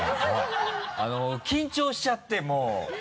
緊張しちゃってもう。